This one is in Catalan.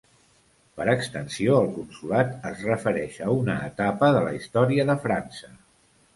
Per extensió, el consolat es refereix a una etapa de la història de França.